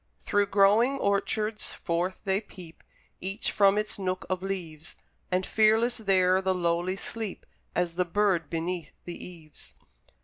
Through glowing orchards forth they peep, Each from its nook of leaves; And fearless there the lowly sleep, As the bird beneath the eaves.